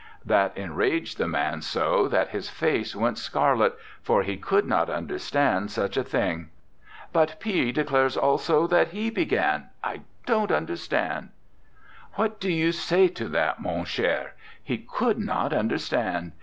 That enraged the man so that his face went scarlet, for he could not understand such a thing. ' But P declares also that he began! I don't understand. ...' "What do you say to that, mon cler? He could not understand!